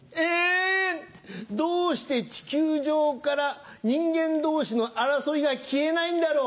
どうして地球上から人間同士の争いが消えないんだろう。